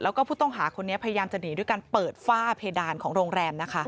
แล้วก็ผู้ต้องหาคนนี้พยายามจะหนีด้วยการเปิดฝ้าเพดานของโรงแรมนะคะ